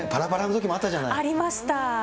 ありました。